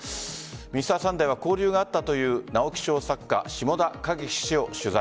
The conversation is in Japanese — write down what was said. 「Ｍｒ．サンデー」は交流があったという直木賞作家志茂田景樹氏を取材。